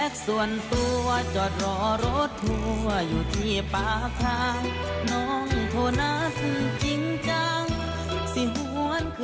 ของธรรมดาทีวีรายงาน